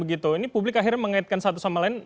ini publik akhirnya mengaitkan satu sama lain